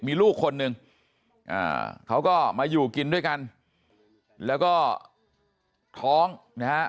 มีลูกคนหนึ่งเขาก็มาอยู่กินด้วยกันแล้วก็ท้องนะฮะ